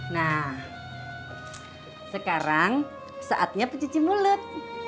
nah sekarang saatnya pencuci mulut